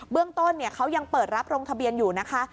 เรื่องต้นเขายังเปิดรับลงทะเบียนอยู่นะคะ